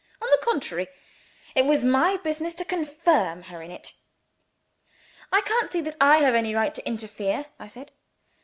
On the contrary, it was my business to confirm her in it. "I can't see that I have any right to interfere," I said.